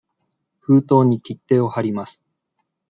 封筒に切手をはります。